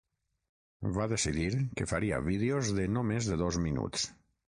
Va decidir que faria vídeos de no més de dos minuts.